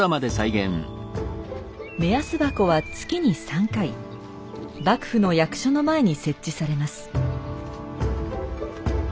目安箱は月に３回幕府の役所の前に設置されます。